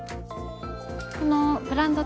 このブランド